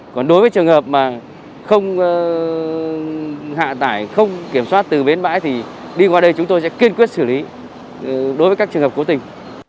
còn đối với trường hợp mà không hạ tải không kiểm soát từ bến bãi thì đi qua đây chúng tôi sẽ kiên quyết xử lý đối với các trường hợp cố tình